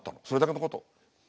それだけのこと。